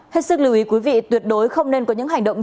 hết sức lưu ý quý vị tuyệt đối không nên có những hành động